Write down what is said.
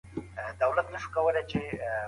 د نایلې او سجاد کیسه د راتلونکې هیله ده.